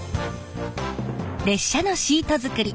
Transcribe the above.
列車のシート作り